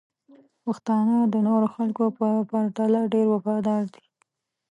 پښتانه د نورو خلکو په پرتله ډیر وفادار دي.